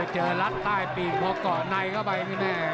เจอลัดใต้ปีกคงเกาะในก็ไปไม่แน่ง